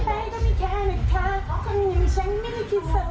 สวัสดีค่ะคุณผู้ชมค่ะวันนี้ฮาปัสพามาถึงจากกันอยู่ที่ยา